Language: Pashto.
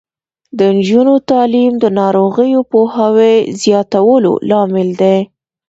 د نجونو تعلیم د ناروغیو پوهاوي زیاتولو لامل دی.